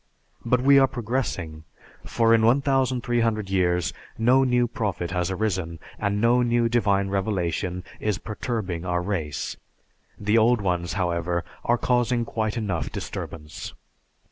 But we are progressing, for in 1300 years no new prophet has arisen, and no new divine revelation is perturbing our race; the old ones, however, are causing quite enough disturbance.